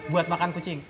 buat makan kucing